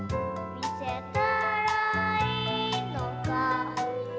「見せたらいいのか」